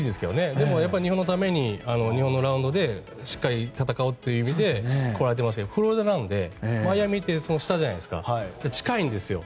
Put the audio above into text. でも、日本のために日本のラウンドでしっかり戦うという意味で来られていましたがフロリダなのでマイアミって下じゃないですか近いんですよ。